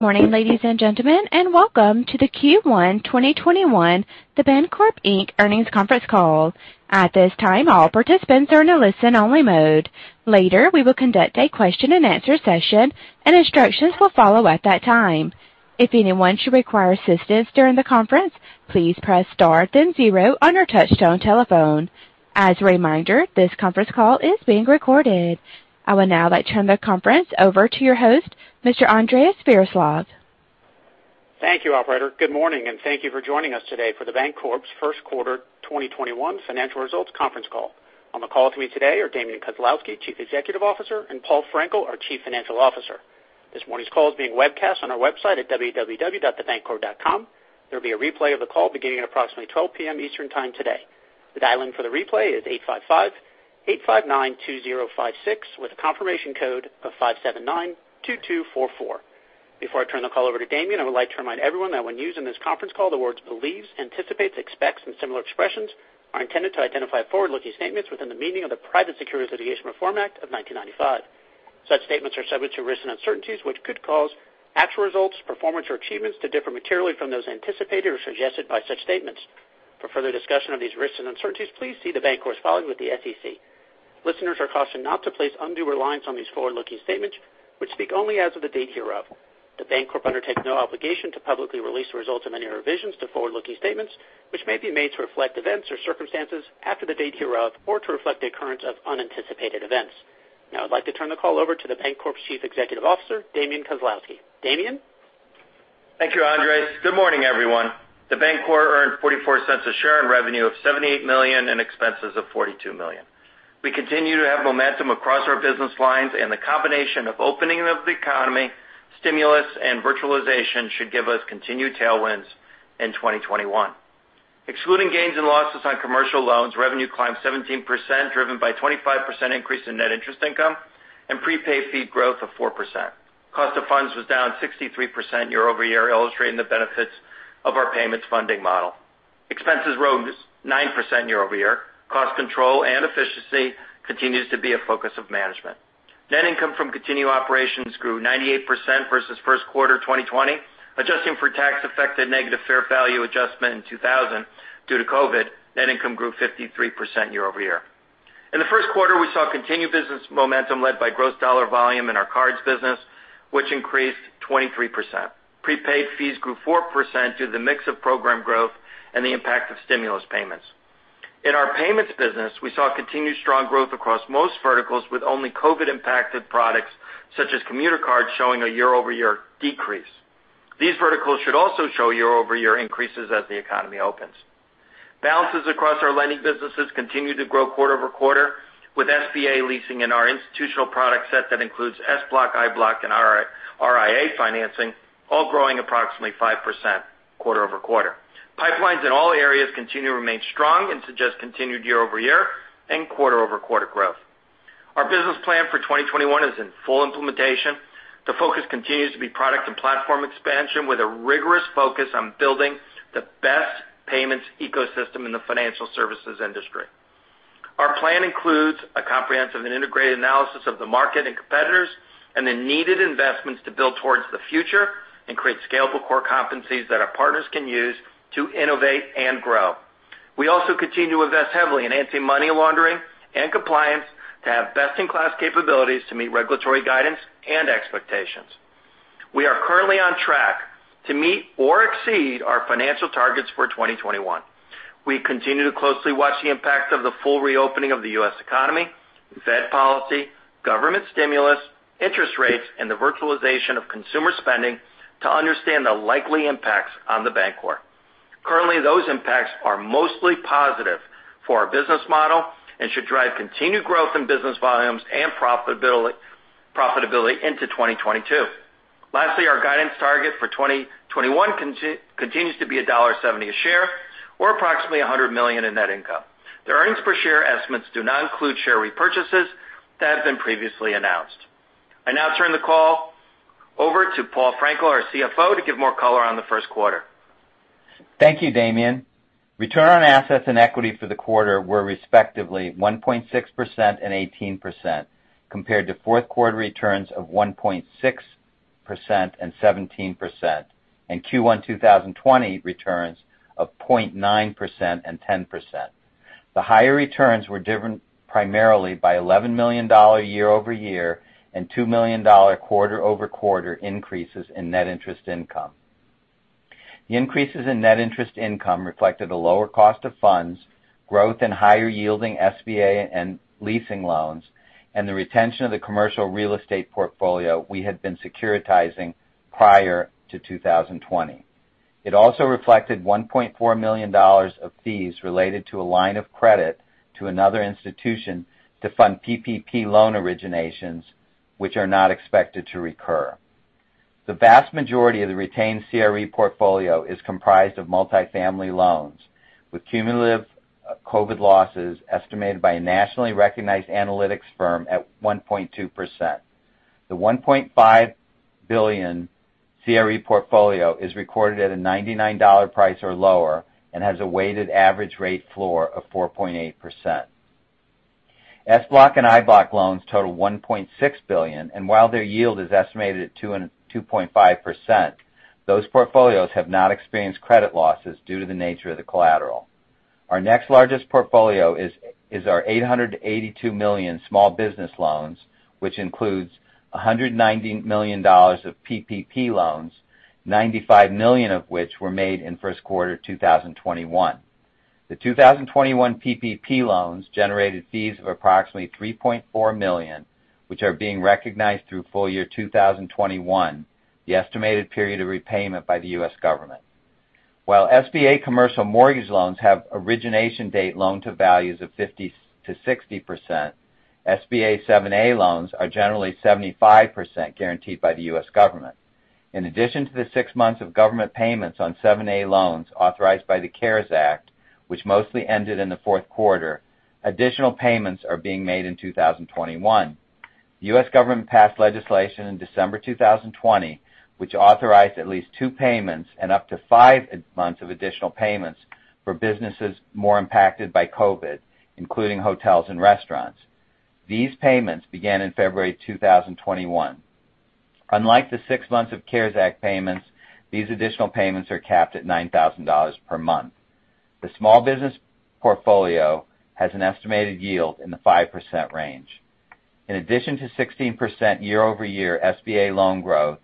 Good morning, ladies and gentlemen, and welcome to the Q1 2021 The Bancorp Inc. Earnings Conference Call. At this time, all participants are in a listen-only mode. Later, we will conduct a question and answer session, and instructions will follow at that time. If anyone should require assistance during the conference, please press star then zero on your touch-tone telephone. As a reminder, this conference call is being recorded. I would now like to turn the conference over to your host, Mr. Andres Viroslav. Thank you, operator. Good morning, thank you for joining us today for The Bancorp's first quarter 2021 financial results conference call. On the call with me today are Damian Kozlowski, Chief Executive Officer, and Paul Frenkiel, our Chief Financial Officer. This morning's call is being webcast on our website at www.thebancorp.com. There will be a replay of the call beginning at approximately 12:00 P.M. Eastern Time today. The dial-in for the replay is 855-859-2056 with a confirmation code of 5792244. Before I turn the call over to Damian, I would like to remind everyone that when used in this conference call, the words believes, anticipates, expects, and similar expressions are intended to identify forward-looking statements within the meaning of the Private Securities Litigation Reform Act of 1995. Such statements are subject to risks and uncertainties which could cause actual results, performance, or achievements to differ materially from those anticipated or suggested by such statements. For further discussion of these risks and uncertainties, please see The Bancorp's filing with the SEC. Listeners are cautioned not to place undue reliance on these forward-looking statements, which speak only as of the date hereof. The Bancorp undertakes no obligation to publicly release the results of any revisions to forward-looking statements, which may be made to reflect events or circumstances after the date hereof or to reflect the occurrence of unanticipated events. Now I'd like to turn the call over to The Bancorp's Chief Executive Officer, Damian Kozlowski. Damian? Thank you, Andres. Good morning, everyone. The Bancorp earned $0.44 a share on revenue of $78 million and expenses of $42 million. We continue to have momentum across our business lines and the combination of opening of the economy, stimulus, and virtualization should give us continued tailwinds in 2021. Excluding gains and losses on commercial loans, revenue climbed 17%, driven by a 25% increase in net interest income and prepaid fee growth of 4%. Cost of funds was down 63% year-over-year, illustrating the benefits of our payments funding model. Expenses rose 9% year-over-year. Cost control and efficiency continues to be a focus of management. Net income from continued operations grew 98% versus first quarter 2020. Adjusting for tax effect and negative fair value adjustment in 2020 due to COVID, net income grew 53% year-over-year. In the first quarter, we saw continued business momentum led by gross dollar volume in our cards business, which increased 23%. Prepaid fees grew 4% due to the mix of program growth and the impact of stimulus payments. In our payments business, we saw continued strong growth across most verticals, with only COVID-impacted products such as commuter cards showing a year-over-year decrease. These verticals should also show year-over-year increases as the economy opens. Balances across our lending businesses continue to grow quarter-over-quarter, with SBA leasing in our institutional product set that includes SBLOC, IBLOC, and RIA financing all growing approximately 5% quarter-over-quarter. Pipelines in all areas continue to remain strong and suggest continued year-over-year and quarter-over-quarter growth. Our business plan for 2021 is in full implementation. The focus continues to be product and platform expansion with a rigorous focus on building the best Payments Ecosystem in the financial services industry. Our plan includes a comprehensive and integrated analysis of the market and competitors and the needed investments to build towards the future and create scalable core competencies that our partners can use to innovate and grow. We also continue to invest heavily in anti-money laundering and compliance to have best-in-class capabilities to meet regulatory guidance and expectations. We are currently on track to meet or exceed our financial targets for 2021. We continue to closely watch the impact of the full reopening of the U.S. economy, Fed policy, government stimulus, interest rates, and the virtualization of consumer spending to understand the likely impacts on The Bancorp. Currently, those impacts are mostly positive for our business model and should drive continued growth in business volumes and profitability into 2022. Lastly, our guidance target for 2021 continues to be $1.70 a share or approximately $100 million in net income. The earnings per share estimates do not include share repurchases that have been previously announced. I now turn the call over to Paul Frenkiel, our CFO, to give more color on the first quarter. Thank you, Damian. Return on assets and equity for the quarter were respectively 1.6% and 18%, compared to fourth quarter returns of 1.6% and 17%, and Q1 2020 returns of 0.9% and 10%. The higher returns were driven primarily by $11 million year-over-year and $2 million quarter-over-quarter increases in net interest income. The increases in net interest income reflected a lower cost of funds, growth in higher-yielding SBA and leasing loans, and the retention of the commercial real estate portfolio we had been securitizing prior to 2020. It also reflected $1.4 million of fees related to a line of credit to another institution to fund PPP loan originations, which are not expected to recur. The vast majority of the retained CRE portfolio is comprised of multifamily loans with cumulative COVID losses estimated by a nationally recognized analytics firm at 1.2%. The $1.5 billion CRE portfolio is recorded at a $99 price or lower and has a weighted average rate floor of 4.8%. SBLOC and IBLOC loans total $1.6 billion, and while their yield is estimated at 2.5%, those portfolios have not experienced credit losses due to the nature of the collateral. Our next largest portfolio is our $882 million small business loans, which includes $190 million of PPP loans, $95 million of which were made in first quarter 2021. The 2021 PPP loans generated fees of approximately $3.4 million, which are being recognized through full year 2021, the estimated period of repayment by the U.S. government. While SBA commercial mortgage loans have origination date loan to values of 50%-60%, SBA 7(a) loans are generally 75% guaranteed by the U.S. government. In addition to the six months of government payments on 7(a) loans authorized by the CARES Act, which mostly ended in the fourth quarter, additional payments are being made in 2021. The U.S. government passed legislation in December 2020, which authorized at least two payments and up to five months of additional payments for businesses more impacted by COVID, including hotels and restaurants. These payments began in February 2021. Unlike the six months of CARES Act payments, these additional payments are capped at $9,000 per month. The small business portfolio has an estimated yield in the 5% range. In addition to 16% year-over-year SBA loan growth,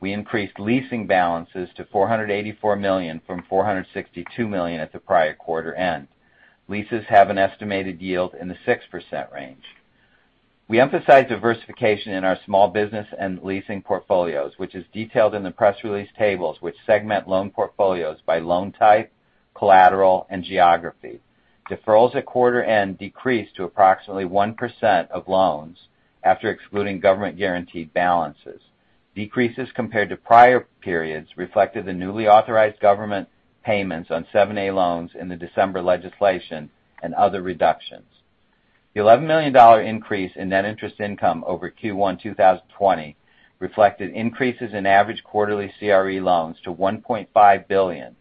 we increased leasing balances to $484 million from $462 million at the prior quarter end. Leases have an estimated yield in the 6% range. We emphasize diversification in our small business and leasing portfolios, which is detailed in the press release tables which segment loan portfolios by loan type, collateral, and geography. Deferrals at quarter end decreased to approximately 1% of loans after excluding government guaranteed balances. Decreases compared to prior periods reflected the newly authorized government payments on 7(a) loans in the December legislation and other reductions. The $11 million increase in net interest income over Q1 2020 reflected increases in average quarterly CRE loans to $1.5 billion,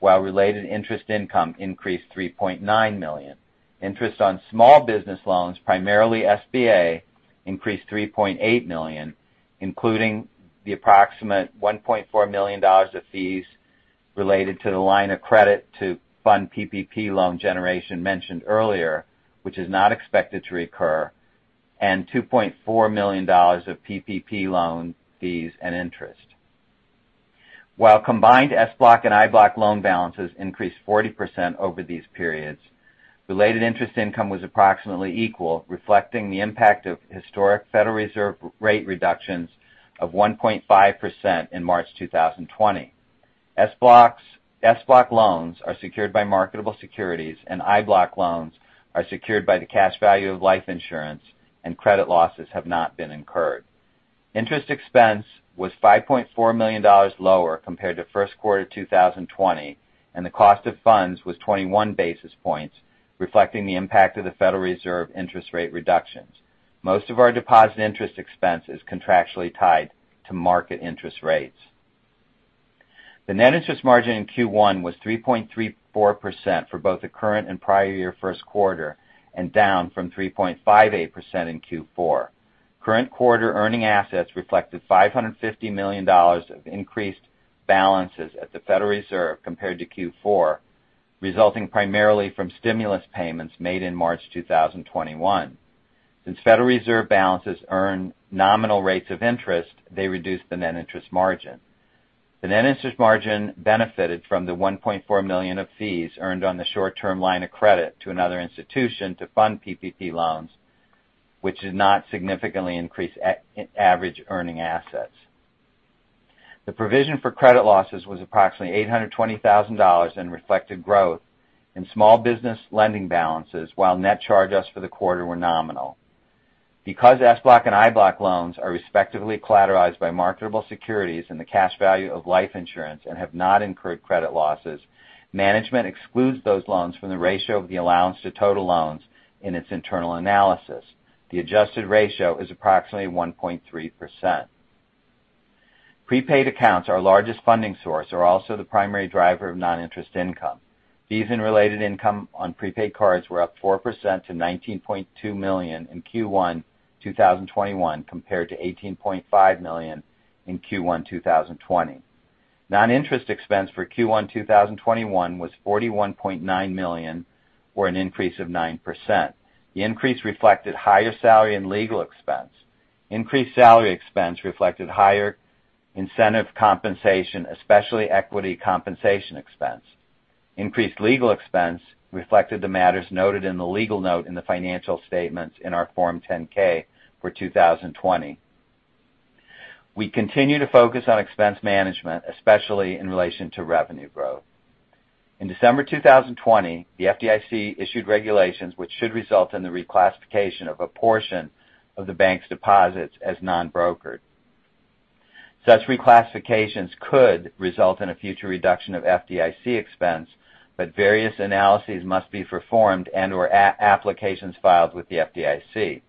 while related interest income increased $3.9 million. Interest on small business loans, primarily SBA, increased $3.8 million, including the approximate $1.4 million of fees related to the line of credit to fund PPP loan generation mentioned earlier, which is not expected to recur, and $2.4 million of PPP loan fees and interest. While combined SBLOC and IBLOC loan balances increased 40% over these periods, related interest income was approximately equal, reflecting the impact of historic Federal Reserve rate reductions of 1.5% in March 2020. SBLOC loans are secured by marketable securities, and IBLOC loans are secured by the cash value of life insurance and credit losses have not been incurred. Interest expense was $5.4 million lower compared to first quarter 2020, and the cost of funds was 21 basis points, reflecting the impact of the Federal Reserve interest rate reductions. Most of our deposit interest expense is contractually tied to market interest rates. The net interest margin in Q1 was 3.34% for both the current and prior year first quarter and down from 3.58% in Q4. Current quarter earning assets reflected $550 million of increased balances at the Federal Reserve compared to Q4, resulting primarily from stimulus payments made in March 2021. Since Federal Reserve balances earn nominal rates of interest, they reduce the net interest margin. The net interest margin benefited from the $1.4 million of fees earned on the short-term line of credit to another institution to fund PPP loans, which did not significantly increase average earning assets. The provision for credit losses was approximately $820,000 and reflected growth in small business lending balances while net charge-offs for the quarter were nominal. Because SBLOC and IBLOC loans are respectively collateralized by marketable securities and the cash value of life insurance and have not incurred credit losses, management excludes those loans from the ratio of the allowance to total loans in its internal analysis. The adjusted ratio is approximately 1.3%. Prepaid accounts, our largest funding source, are also the primary driver of non-interest income. Fees and related income on prepaid cards were up 4% to $19.2 million in Q1 2021 compared to $18.5 million in Q1 2020. Non-interest expense for Q1 2021 was $41.9 million, or an increase of 9%. The increase reflected higher salary and legal expense. Increased salary expense reflected higher incentive compensation, especially equity compensation expense. Increased legal expense reflected the matters noted in the legal note in the financial statements in our Form 10-K for 2020. We continue to focus on expense management, especially in relation to revenue growth. In December 2020, the FDIC issued regulations which should result in the reclassification of a portion of the bank's deposits as non-brokered. Such reclassifications could result in a future reduction of FDIC expense, but various analyses must be performed and/or applications filed with the FDIC.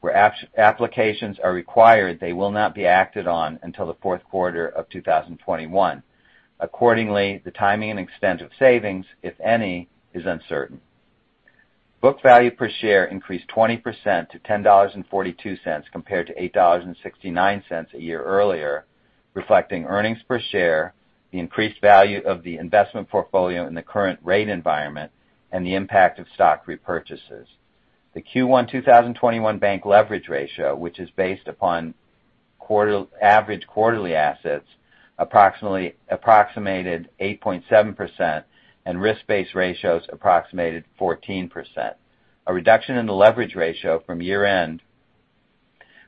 Where applications are required, they will not be acted on until the fourth quarter of 2021. Accordingly, the timing and extent of savings, if any, is uncertain. Book value per share increased 20% to $10.42 compared to $8.69 a year earlier, reflecting earnings per share, the increased value of the investment portfolio in the current rate environment, and the impact of stock repurchases. The Q1 2021 bank leverage ratio, which is based upon average quarterly assets, approximated 8.7%, and risk-based ratios approximated 14%. A reduction in the leverage ratio from year-end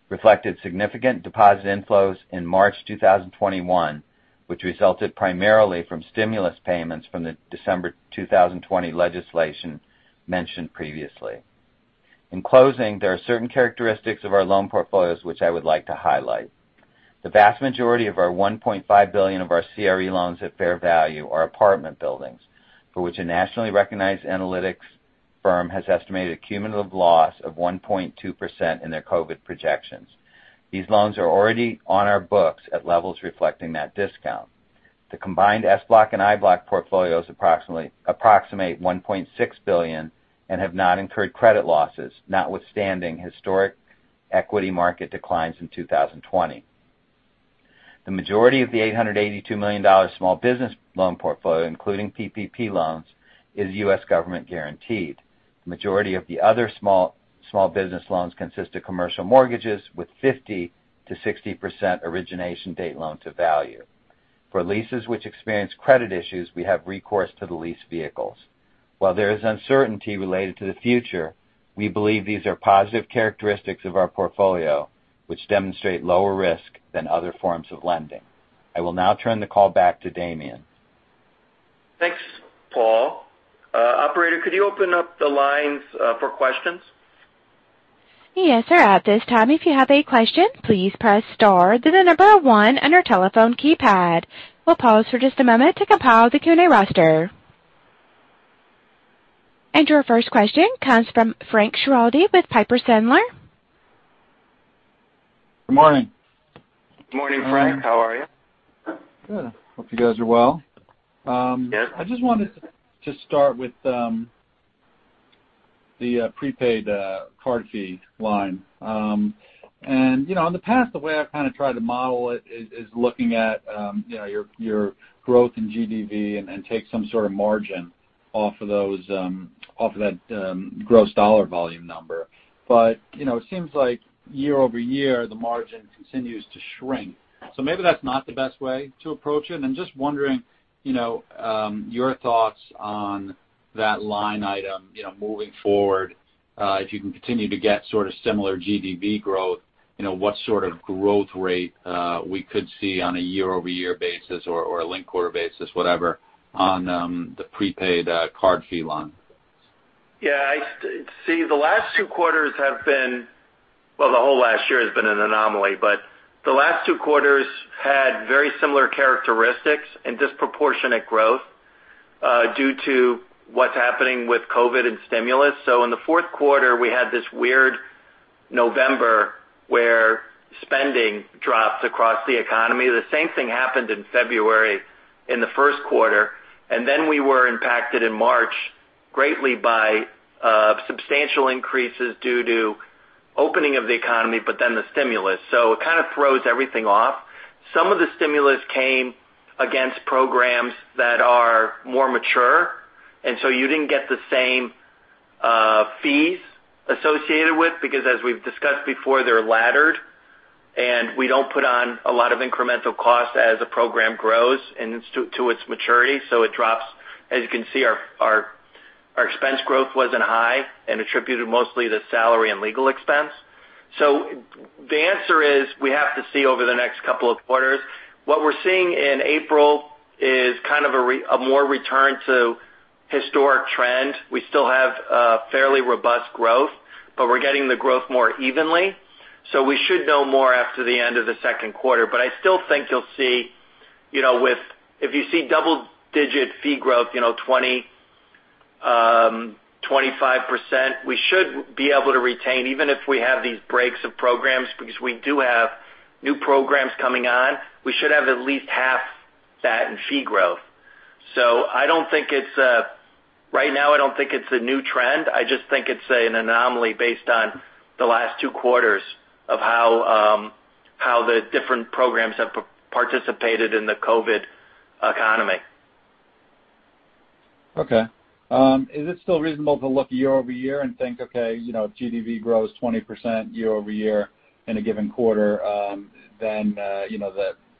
reflected significant deposit inflows in March 2021, which resulted primarily from stimulus payments from the December 2020 legislation mentioned previously. In closing, there are certain characteristics of our loan portfolios which I would like to highlight. The vast majority of our $1.5 billion of our CRE loans at fair value are apartment buildings, for which a nationally recognized analytics firm has estimated a cumulative loss of 1.2% in their COVID projections. These loans are already on our books at levels reflecting that discount. The combined SBLOC and IBLOC portfolios approximate $1.6 billion and have not incurred credit losses, notwithstanding historic equity market declines in 2020. The majority of the $882 million small business loan portfolio, including PPP loans, is U.S. government guaranteed. The majority of the other small business loans consist of commercial mortgages with 50%-60% origination date loan-to-value. For leases which experience credit issues, we have recourse to the lease vehicles. While there is uncertainty related to the future, we believe these are positive characteristics of our portfolio, which demonstrate lower risk than other forms of lending. I will now turn the call back to Damian. Thanks, Paul. Operator, could you open up the lines for questions? Yes, sir. At this time, if you have a question, please press star, then the number one on your telephone keypad. We'll pause for just a moment to compile the Q&A roster. Your first question comes from Frank Schiraldi with Piper Sandler. Good morning. Morning, Frank. How are you? Good. Hope you guys are well. Yes. I just wanted to start with the prepaid card fee line. In the past, the way I've kind of tried to model it is looking at your growth in GDV and take some sort of margin off of that gross dollar volume number. It seems like year-over-year, the margin continues to shrink. Maybe that's not the best way to approach it. I'm just wondering, your thoughts on that line item moving forward. If you can continue to get sort of similar GDV growth, what sort of growth rate we could see on a year-over-year basis or a linked-quarter basis, whatever, on the prepaid card fee line. Yeah. See, the last two quarters have been well, the whole last year has been an anomaly, but the last two quarters had very similar characteristics and disproportionate growth due to what's happening with COVID and stimulus. In the fourth quarter, we had this weird November where spending dropped across the economy. The same thing happened in February in the first quarter, and then we were impacted in March greatly by substantial increases due to opening of the economy, but then the stimulus. It kind of throws everything off. Some of the stimulus came against programs that are more mature, and so you didn't get the same fees associated with, because as we've discussed before, they're laddered, and we don't put on a lot of incremental costs as a program grows to its maturity, so it drops. As you can see, our expense growth wasn't high and attributed mostly to salary and legal expense. The answer is we have to see over the next couple of quarters. What we're seeing in April is kind of a more return to historic trend. We still have fairly robust growth, but we're getting the growth more evenly. We should know more after the end of the second quarter. I still think you'll see if you see double-digit fee growth, 20%, 25%, we should be able to retain, even if we have these breaks of programs because we do have new programs coming on. We should have at least half that in fee growth. Right now, I don't think it's a new trend. I just think it's an anomaly based on the last two quarters of how the different programs have participated in the COVID economy. Okay. Is it still reasonable to look year-over-year and think, okay, GDV grows 20% year-over-year in a given quarter, then that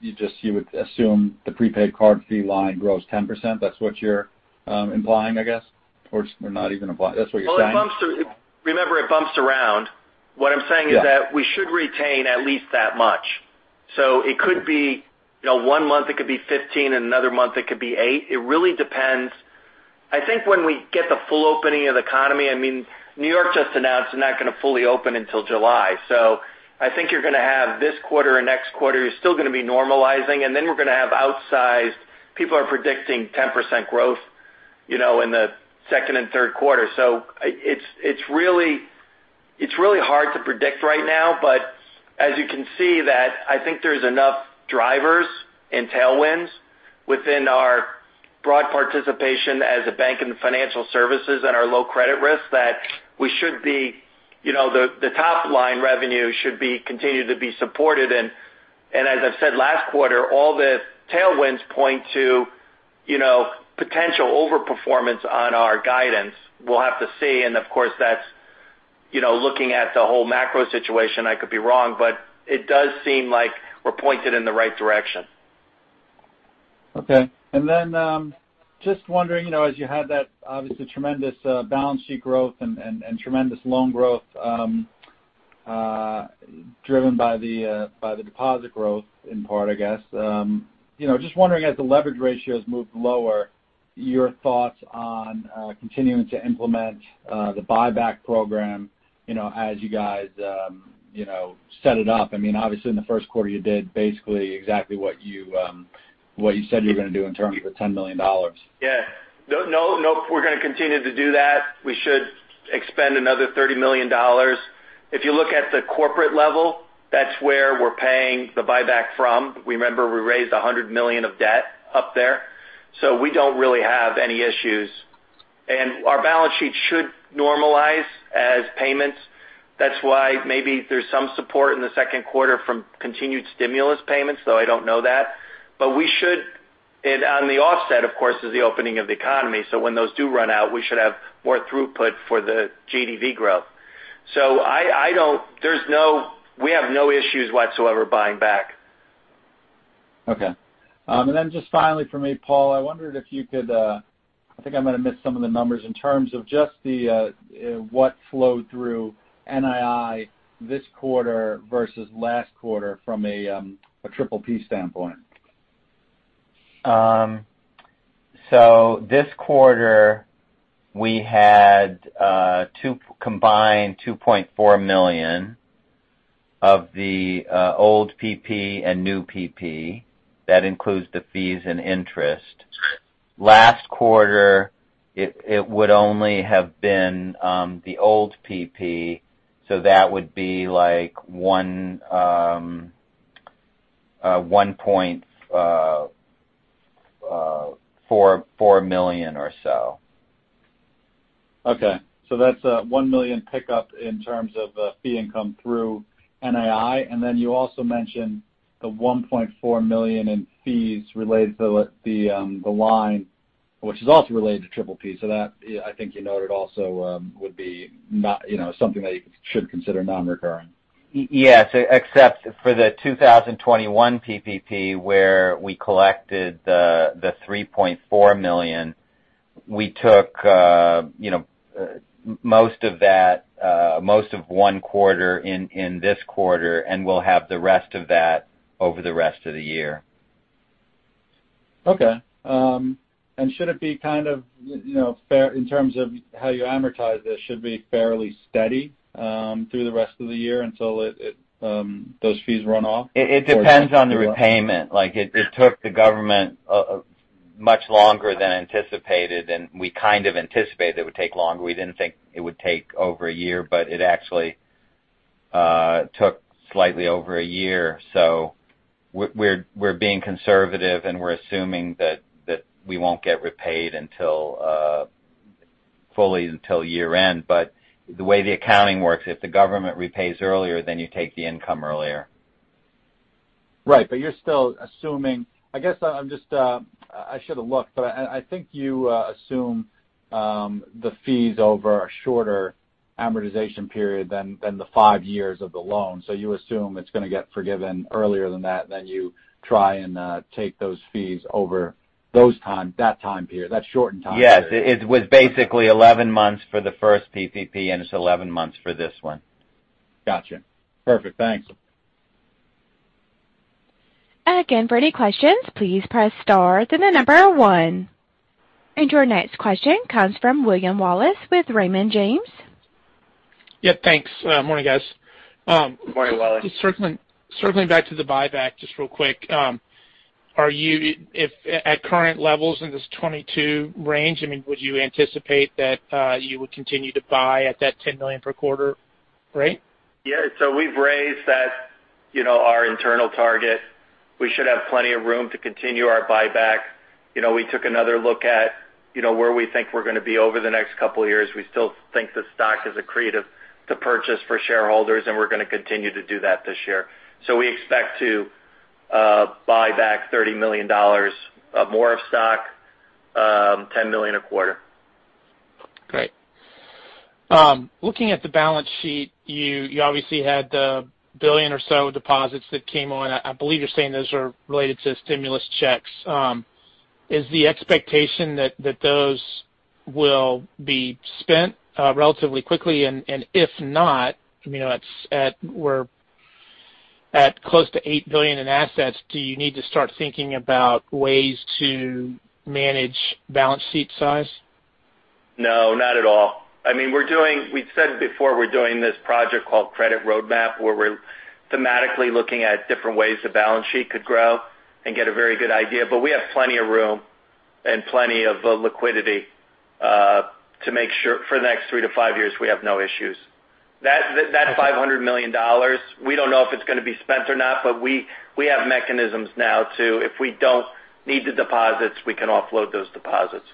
you would assume the prepaid card fee line grows 10%? That's what you're implying, I guess? Not even implying. That's what you're saying? Remember, it bumps around. Yeah What I'm saying is that, we should retain at least that much. It could be one month it could be 15%, and another month it could be 8%. It really depends. I think when we get the full opening of the economy, I mean, New York just announced they're not going to fully open until July. I think you're going to have this quarter or next quarter, you're still going to be normalizing, and then we're going to have outsized. People are predicting 10% growth in the second and third quarter. It's really hard to predict right now, but as you can see that I think there's enough drivers and tailwinds within our broad participation as a bank in the financial services and our low credit risk that the top line revenue should be continued to be supported. As I've said last quarter, all the tailwinds point to potential over-performance on our guidance. We'll have to see, and of course, that's looking at the whole macro situation, I could be wrong, but it does seem like we're pointed in the right direction. Okay. Just wondering, as you had that obviously tremendous balance sheet growth and tremendous loan growth driven by the deposit growth in part, I guess. Just wondering as the leverage ratios moved lower, your thoughts on continuing to implement the buyback program as you guys set it up. Obviously, in the first quarter you did basically exactly what you said you were going to do in terms of the $10 million. Yeah. No, we're going to continue to do that. We should expend another $30 million. If you look at the corporate level, that's where we're paying the buyback from. Remember, we raised $100 million of debt up there. We don't really have any issues. Our balance sheet should normalize as payments. That's why maybe there's some support in the second quarter from continued stimulus payments, though I don't know that. On the offset, of course, is the opening of the economy. When those do run out, we should have more throughput for the GDV growth. We have no issues whatsoever buying back. Okay. Then just finally from me, Paul, I wondered if you could I think I might have missed some of the numbers in terms of just what flowed through NII this quarter versus last quarter from a PPP standpoint. This quarter, we had a combined $2.4 million of the old PPP and new PPP. That includes the fees and interest. Last quarter, it would only have been the old PPP, that would be like $1.4 million or so. That's a $1 million pickup in terms of fee income through NII. You also mentioned the $1.4 million in fees related to the line, which is also related to PPP. That, I think you noted also would be something that you should consider non-recurring. Yes, except for the 2021 PPP where we collected the $3.4 million. We took most of one quarter in this quarter, and we'll have the rest of that over the rest of the year. Okay. Should it be kind of, in terms of how you amortize this, should it be fairly steady through the rest of the year until those fees run off? It depends on the repayment. It took the government much longer than anticipated, and we kind of anticipated it would take longer. We didn't think it would take over a year, but it actually took slightly over a year. We're being conservative, and we're assuming that we won't get repaid fully until year-end. The way the accounting works, if the government repays earlier, then you take the income earlier. Right. You're still assuming-- I guess I should have looked, but I think you assume the fees over a shorter amortization period than the five years of the loan. You assume it's going to get forgiven earlier than that, then you try and take those fees over that shortened time period. Yes. It was basically 11 months for the first PPP, and it's 11 months for this one. Got you. Perfect. Thanks. For any questions, please press star, then the number one. Your next question comes from William Wallace with Raymond James. Yeah, thanks. Morning, guys. Morning, Wallace. Circling back to the buyback just real quick. At current levels in this $22 range, would you anticipate that you would continue to buy at that $10 million per quarter rate? Yeah. We've raised that, our internal target. We should have plenty of room to continue our buyback. We took another look at where we think we're going to be over the next couple of years. We still think the stock is accretive to purchase for shareholders, and we're going to continue to do that this year. We expect to buy back $30 million more of stock, $10 million a quarter. Great. Looking at the balance sheet, you obviously had the $1 billion or so deposits that came on. I believe you're saying those are related to stimulus checks. Is the expectation that those will be spent relatively quickly? If not, we're at close to $8 billion in assets, do you need to start thinking about ways to manage balance sheet size? No, not at all. We've said before we're doing this project called Credit Roadmap, where we're thematically looking at different ways the balance sheet could grow and get a very good idea. We have plenty of room and plenty of liquidity to make sure for the next three to five years, we have no issues. That $500 million, we don't know if it's going to be spent or not, but we have mechanisms now, too. If we don't need the deposits, we can offload those deposits.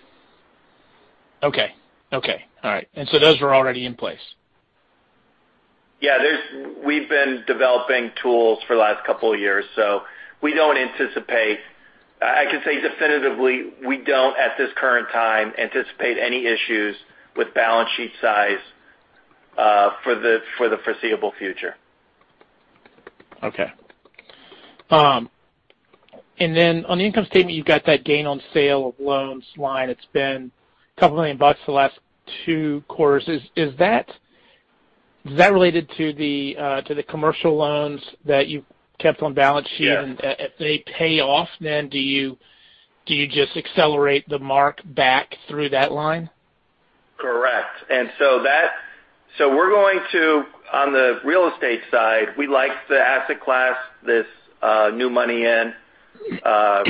Okay. All right. Those are already in place? Yeah. We've been developing tools for the last couple of years. I can say definitively we don't, at this current time, anticipate any issues with balance sheet size for the foreseeable future. Okay. Then on the income statement, you've got that gain on sale of loans line. It's been a couple million dollars the last two quarters. Is that related to the commercial loans that you've kept on balance sheet? Yes. If they pay off, then do you just accelerate the mark back through that line? Correct. On the real estate side, we like the asset class, this new money in.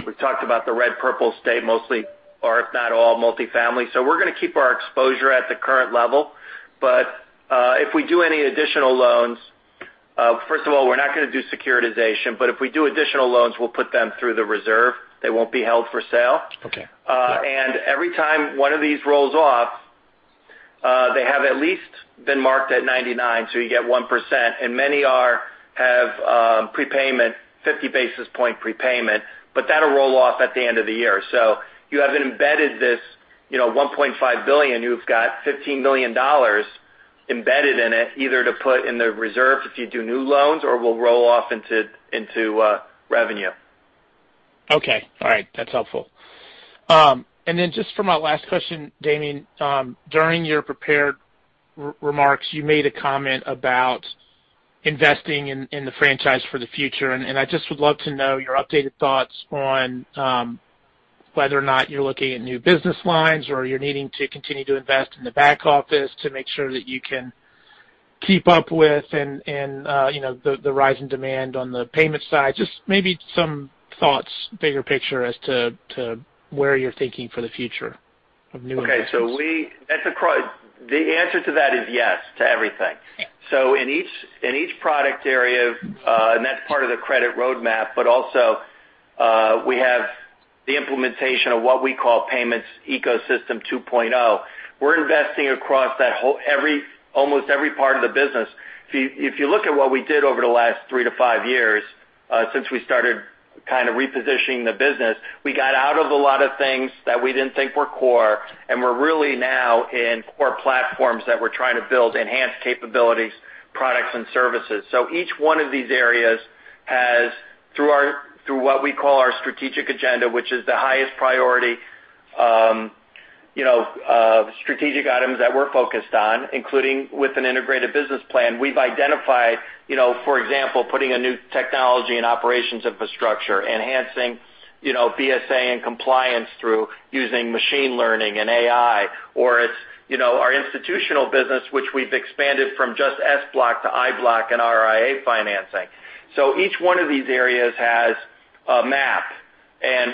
We've talked about the red purple state mostly, or if not all, multifamily. We're going to keep our exposure at the current level. If we do any additional loans, first of all, we're not going to do securitization, but if we do additional loans, we'll put them through the reserve. They won't be held for sale. Okay. Every time one of these rolls off, they have at least been marked at 99, so you get 1%. Many have prepayment, 50 basis point prepayment, but that'll roll off at the end of the year. You have embedded this $1.5 billion. You've got $15 million embedded in it, either to put in the reserve if you do new loans or will roll off into revenue. Okay. All right. That's helpful. Just for my last question, Damian, during your prepared remarks, you made a comment about investing in the franchise for the future. I just would love to know your updated thoughts on whether or not you're looking at new business lines or you're needing to continue to invest in the back office to make sure that you can keep up with the rise in demand on the payment side. Just maybe some thoughts, bigger picture as to where you're thinking for the future of new investments. The answer to that is yes to everything. In each product area, and that's part of the Credit Roadmap, but also we have the implementation of what we call Payments Ecosystem 2.0. We're investing across almost every part of the business. If you look at what we did over the last three to five years since we started kind of repositioning the business, we got out of a lot of things that we didn't think were core, and we're really now in core platforms that we're trying to build enhanced capabilities, products, and services. Each one of these areas has, through what we call our strategic agenda, which is the highest priority strategic items that we're focused on, including with an integrated business plan. We've identified, for example, putting a new technology and operations infrastructure, enhancing BSA and compliance through using machine learning and AI. It's our institutional business, which we've expanded from just SBLOC to IBLOC and RIA financing. Each one of these areas has a map.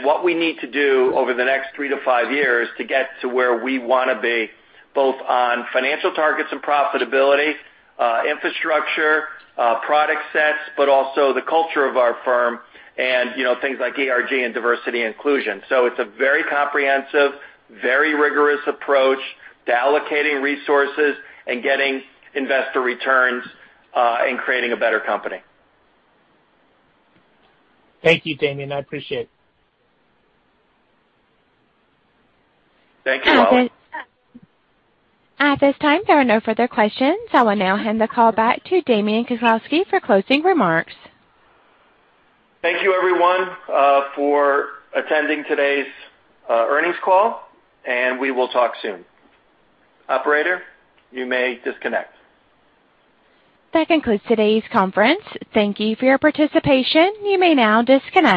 What we need to do over the next three to five years to get to where we want to be, both on financial targets and profitability, infrastructure, product sets, but also the culture of our firm and things like ERG and diversity inclusion. It's a very comprehensive, very rigorous approach to allocating resources and getting investor returns and creating a better company. Thank you, Damian. I appreciate it. Thank you, Wallace. At this time, there are no further questions. I will now hand the call back to Damian Kozlowski for closing remarks. Thank you, everyone, for attending today's earnings call, and we will talk soon. Operator, you may disconnect. That concludes today's conference. Thank you for your participation. You may now disconnect.